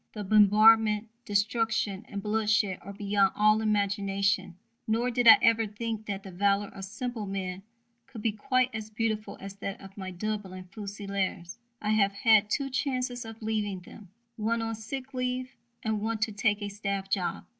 The bombardment, destruction, and bloodshed are beyond all imagination, nor did I ever think that the valour of simple men could be quite as beautiful as that of my Dublin Fusiliers. I have had two chances of leaving them one on sick leave and one to take a staff job.